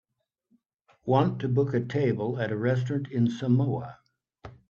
Want to book a table at a restaurant in Samoa